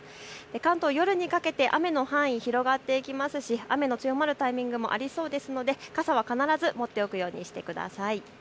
関東、夜にかけて雨の範囲が広がっていきますし、雨の強まるタイミングもありそうですので傘は必ず持っておくようにしてください。